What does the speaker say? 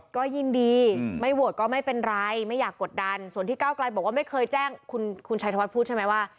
ก็ยินดีไม่โหวตก็ไม่เป็นไรไม่อยากกดดันส่วนที่ก้าวไกลบอกว่าไม่เคยแจ้งคุณชัยธวัฒน์พูดใช่ไหมว่า